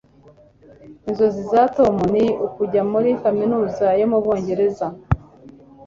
Inzozi za Tom ni ukujya muri kaminuza yo mu Bwongereza.